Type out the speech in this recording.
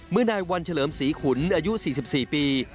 นายวันเฉลิมศรีขุนอายุ๔๔ปี